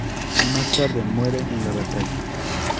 Y, más tarde, muere en la batalla.